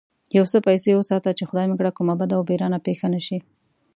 يو څه پيسې وساته چې خدای مکړه کومه بده و بېرانه پېښه نه شي.